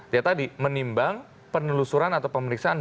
ya tadi menimbang penelusuran atau pemeriksaan